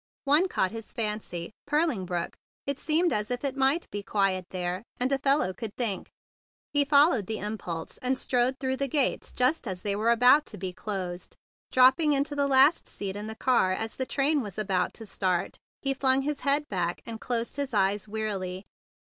One caught his fancy, ^Purling Brook." It seemed as if it might be quiet there, and a fellow could think. He followed the impulse, and strode through the THE BIG BLUE SOLDIER 31 gates just as they were about to be closed. Dropping into the last seat in the car as the train was about to start, he flung his head back, and closed his eyes wearily.